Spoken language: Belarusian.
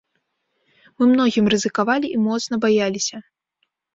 Мы многім рызыкавалі і моцна баяліся.